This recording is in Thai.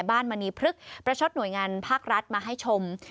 บ้านมณีพลึกประช็นต์หน่วยงานภักรัชมาให้ชม